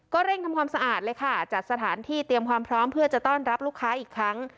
เร่งทำความสะอาดเลยค่ะจัดสถานที่เตรียมความพร้อมเพื่อจะต้อนรับลูกค้าอีกครั้ง